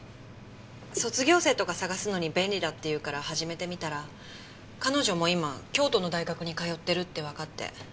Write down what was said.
卒業生とか探すのに便利だっていうから始めてみたら彼女も今京都の大学に通ってるってわかって。